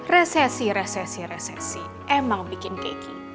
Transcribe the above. resesi resesi resesi emang bikin keki